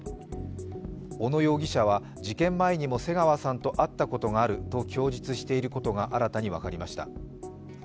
小野容疑者は事件前にも瀬川さんと会ったことがあると供述していることが新たに分かりました。